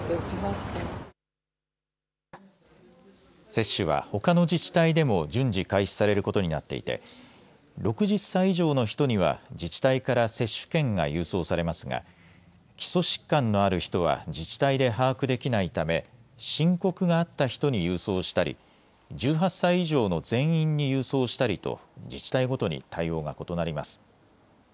接種はほかの自治体でも順次、開始されることになっていて６０歳以上の人には自治体から接種券が郵送されますが基礎疾患のある人は自治体で把握できないため申告があった人に郵送したり１８歳以上の全員に郵送したりと自治体ごとに対応が異なります。